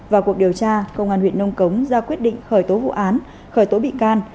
vào cuộc điều tra công an huyện nông cống ra quyết định khởi tố vụ án khởi tố bị can